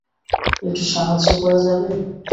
একটু সাহায্য করা যাবে?